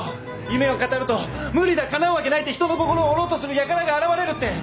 「夢を語ると『無理だ。かなうわけない』って人の心を折ろうとする輩が現れる」って！